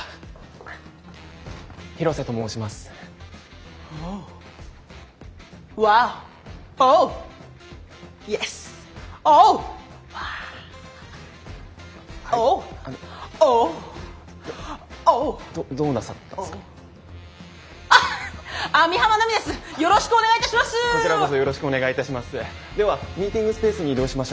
こちらこそよろしくお願いいたします。